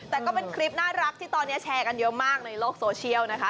แต่ก็เป็นคลิปน่ารักที่ตอนนี้แชร์กันเยอะมากในโลกโซเชียลนะคะ